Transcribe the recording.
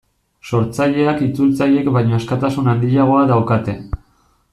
Sortzaileak itzultzaileek baino askatasun handiagoa daukate.